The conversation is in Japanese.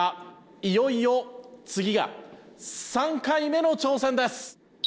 いよいよ次が３回目の挑戦です！